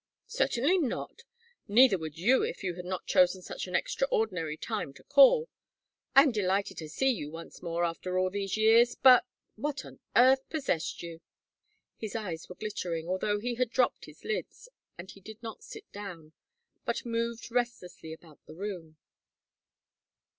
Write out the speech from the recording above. "Certainly not. Neither would you if you had not chosen such an extraordinary time to call. I am delighted to see you once more after all these years, but what on earth possessed you?" His eyes were glittering, although he had dropped his lids, and he did not sit down, but moved restlessly about the room.